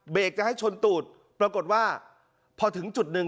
จะให้ชนตูดปรากฏว่าพอถึงจุดหนึ่ง